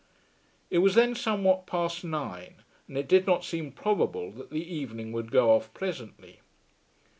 It was then somewhat past nine, and it did not seem probable that the evening would go off pleasantly.